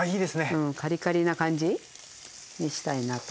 うんカリカリな感じにしたいなと。